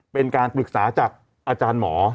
เป็นการปรึกษาจากอาจารย์หมอ